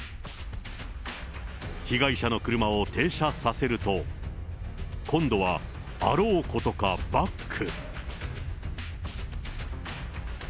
被害者の車を停車させると、今度はあろうことかバック。